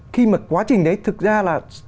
khi mà quá trình đấy thực ra là